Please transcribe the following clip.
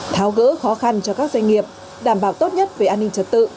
tháo gỡ khó khăn cho các doanh nghiệp đảm bảo tốt nhất về an ninh trật tự